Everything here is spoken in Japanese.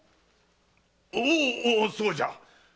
おおそうじゃ！